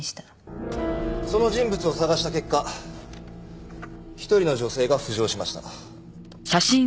その人物を捜した結果一人の女性が浮上しました。